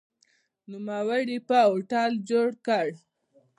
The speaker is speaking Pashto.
نوموړي په هوټل جوړ کړ.